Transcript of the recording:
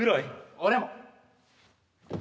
俺も。